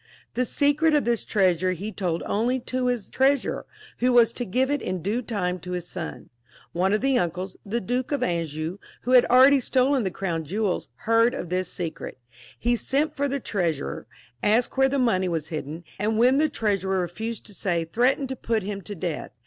The secret of this treasure he told only to his Treasurer, who was to give it in due time to his son. One 184 CHARLES VL [CH. of the uncles, the Duke of Anjou, who had already stolen the crown jewels, heard of this secret. He sent for the Treasurer, asked where the money was hidden, and when the Treasurer refused to say, threatened to put him to death.